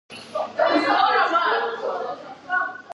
ჰაერის სინოტივე ნულს უტოლდება.